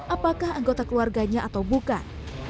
apakah anggota keluarganya atau bukan